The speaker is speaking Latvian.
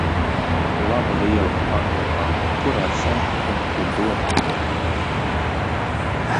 Laba viela pārdomām, kur esam un kur dodamies.